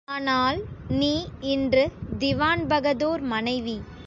ஆனால் நீ இன்று திவான்பகதூர் மனைவி.